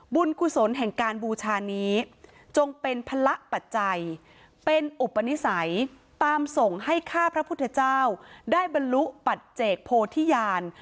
กุศลแห่งการบูชานี้จงเป็นพระปัจจัยเป็นอุปนิสัยตามส่งให้ข้าพระพุทธเจ้าได้บรรลุปัจเจกโพธิญาณ